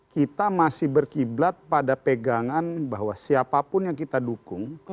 kita masih berkiblat pada pegangan bahwa siapapun yang kita dukung